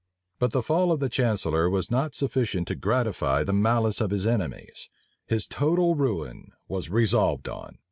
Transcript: But the fall of the chancellor was not sufficient to gratify the malice of his enemies: his total ruin was resolved on.